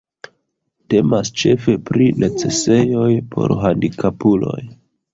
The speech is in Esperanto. Temas ĉefe pri necesejoj por handikapuloj.